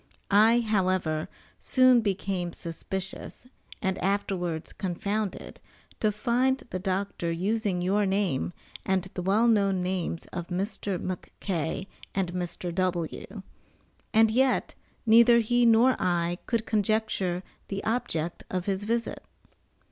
I, however, soon became suspicious, and afterwards confounded, to find the doctor using your name and the well known names of Mr. McK. and Mr. W. and yet, neither he nor I, could conjecture the object of his visit.